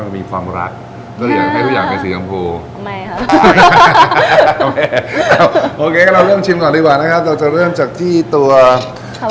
มันก็มีความรักก็อย่างให้ทุกอย่างเป็นสีกำโภ